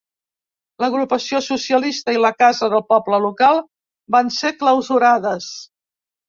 L'agrupació socialista i la Casa del Poble local van ser clausurades.